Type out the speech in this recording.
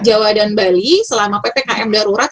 jawa dan bali selama ppkm darurat